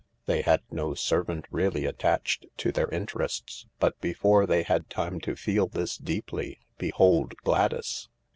They had no servant really attached to their interests : but before they had time to feel this deeply, behold Gladys.